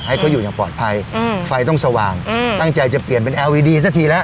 ให้เขาอยู่อย่างปลอดภัยอืมไฟต้องสว่างอืมตั้งใจจะเปลี่ยนเป็นแอร์วีดีสักทีแล้ว